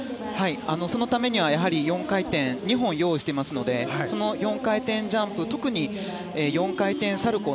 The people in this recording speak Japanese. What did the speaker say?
そのためには４回転を２本用意していますのでその４回転ジャンプ特に４回転サルコウ。